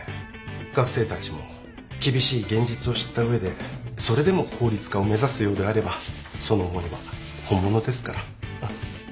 学生たちも厳しい現実を知った上でそれでも法律家を目指すようであればその思いは本物ですから。